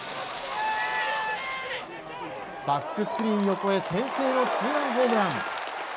バックスクリーン横へ先制のツーランホームラン。